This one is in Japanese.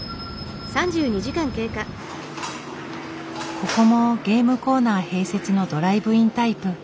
ここもゲームコーナー併設のドライブインタイプ。